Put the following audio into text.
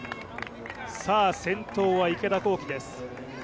先頭は池田向希です。